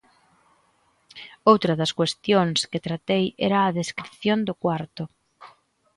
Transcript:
Outra das cuestións que tratei era a descrición do cuarto.